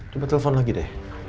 coba telepon lagi deh